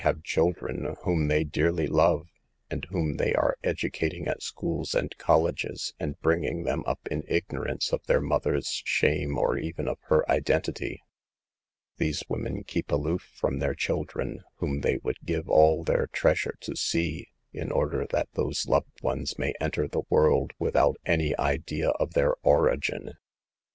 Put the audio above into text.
245 have children whom they dearly love, and whom they are educating at schools and col leges and bringing them up in ignorance of their mother's shame or even of her identity. These women keep aloof from their children, whom they would give all their treasures to see, in order that those loved ones may enter the world without any idea of their origin.